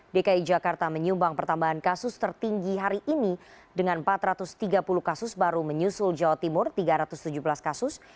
dki jakarta menyumbang pertambahan kasus tertinggi hari ini dengan empat ratus tiga puluh kasus baru menyusul jawa timur tiga ratus tujuh belas kasus